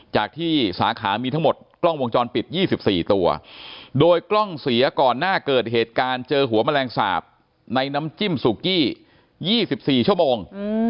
จากที่สาขามีทั้งหมดกล้องวงจรปิด๒๔ตัวโดยกล้องเสียก่อนหน้าเกิดเหตุการณ์เจอหัวแมลงสาปในน้ำจิ้มสุกี้๒๔ชั่วโมง